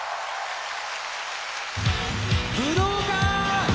武道館！